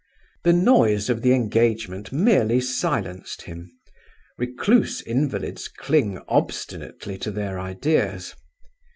The noise of the engagement merely silenced him; recluse invalids cling obstinately to their ideas.